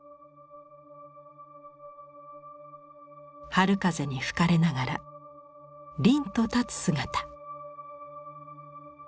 春風に吹かれながら凜と立つ姿。